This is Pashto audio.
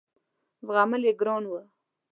زغمل یې ګران وه.